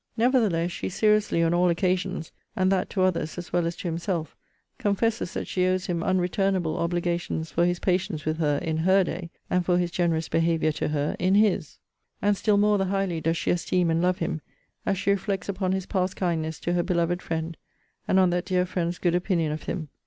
Nevertheless she seriously, on all occasions, and that to others as well as to himself, confesses that she owes him unreturnable obligations for his patience with her in HER day, and for his generous behaviour to her in HIS. And still more the highly does she esteem and love him, as she reflects upon his past kindness to her beloved friend; and on that dear friend's good opinion of him.